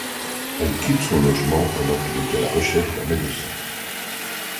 Elle quitte son logement pendant qu'il est à la recherche d'un médecin.